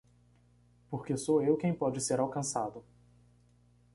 Porque sou eu quem pode ser alcançado